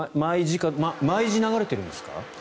毎時流れてるんですか？